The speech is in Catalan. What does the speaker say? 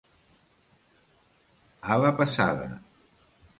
A la pesada.